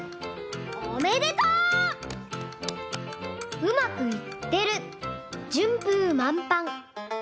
「うまくいってる！順風満帆」。